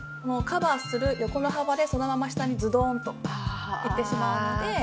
カバーする横の幅でそのまま下にズドーンといってしまうので。